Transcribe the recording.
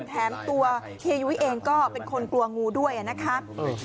แถมตัวเฮียยุ้ยเองก็เป็นคนกลัวงูด้วยนะครับ